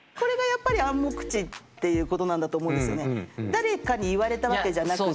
誰かに言われたわけじゃなくって。